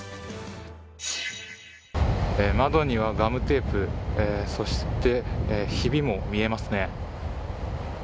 窓にはガムテープ、そしてひびも見えますね。